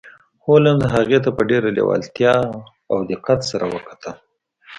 هولمز هغې ته په ډیره لیوالتیا او دقت سره وکتل